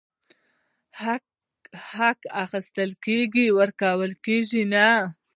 حق اخيستل کيږي، ورکول کيږي نه !!